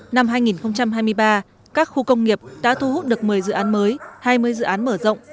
năm hai nghìn hai mươi ba các khu công nghiệp đã thu hút được một mươi dự án mới hai mươi dự án mở rộng